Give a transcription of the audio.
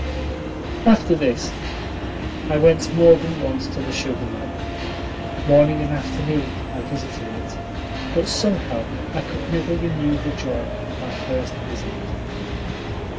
After this I went more than once to the sugar mill. Morning and afternoon I visited it, but somehow I could never renew the joy of my first visit.